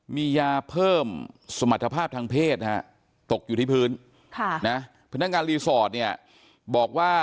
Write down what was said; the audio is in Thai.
มียาเพิ่มสมรรถภาพทางเพศนะฮะตกอยู่ที่พื้นพนักงานรีสอร์ทเนี่ยบอกว่า